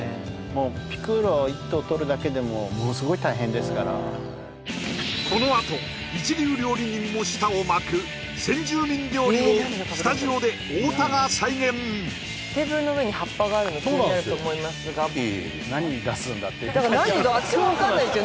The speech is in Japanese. もうピクーロ１頭とるだけでもものすごい大変ですからこのあと一流料理人も舌を巻く先住民料理をスタジオで太田が再現の気になると思いますが何出すんだっていう感じのだから何が私も分かんないですよ